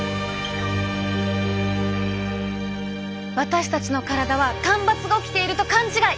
私たちの体は干ばつが起きていると勘違い！